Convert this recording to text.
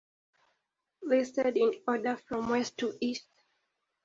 Listed in order from west to east.